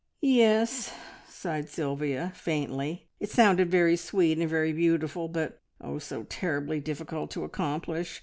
"Yes," sighed Sylvia faintly. It sounded very sweet and very beautiful, but, oh, so terribly difficult to accomplish!